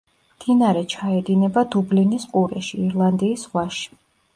მდინარე ჩაედინება დუბლინის ყურეში, ირლანდიის ზღვაში.